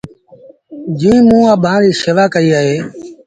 جيٚنٚ موٚنٚ اڀآنٚ ريٚ شيوآ ڪئيٚ اهي